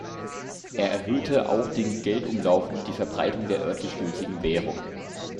Er erhöhte auch den Geldumlauf und die Verbreitung der örtlich gültigen Währung.